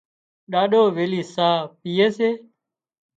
ڏاڏو ويلِي ساهَه پيئي سي